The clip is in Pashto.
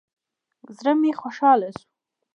زړه مې خوشاله سو.